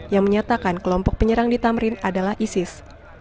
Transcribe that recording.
yang menyatakan kelompok penyerang di tamrin adalah isis